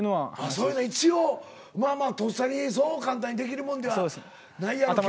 そういうのは一応まあまあとっさにそう簡単にできるもんではないやろけども。